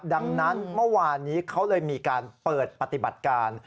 ดังนั้นเมื่อวานนี้เขาเลยมีการเปิดปฏิบัติการ